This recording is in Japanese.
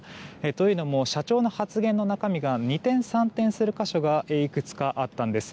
というのも、社長の発言の中身が二転三転する箇所がいくつかあったんです。